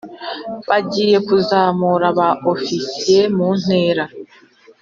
bagiye kuzamura ba ofisiye mu ntera